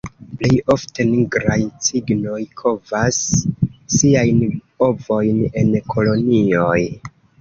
Plej ofte Nigraj cignoj kovas siajn ovojn en kolonioj.